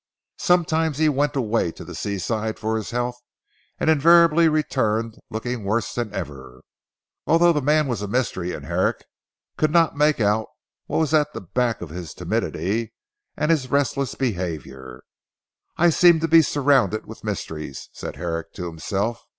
Sometimes he went away to the sea side for his health and invariably returned looking worse than ever. Altogether the man was a mystery, and Herrick could not make out what was at the back of his timidity, and his restless behaviour. "I seem to be surrounded with mysteries," said Herrick to himself.